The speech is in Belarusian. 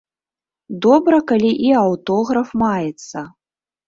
Добра, калі і аўтограф маецца.